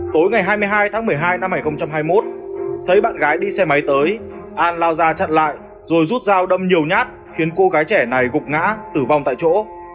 tối ngày hai mươi hai tháng một mươi hai năm hai nghìn hai mươi một thấy bạn gái đi xe máy tới an lao ra chặn lại rồi rút dao đâm nhiều nhát khiến cô gái trẻ này gục ngã tử vong tại chỗ